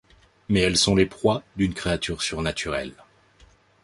Mais elles sont les proies d'une créature surnaturelle...